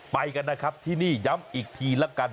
ไปกันนะครับที่นี่ย้ำอีกทีละกัน